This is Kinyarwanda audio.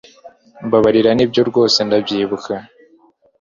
Mbabarira Nibyo rwose ndabyibuka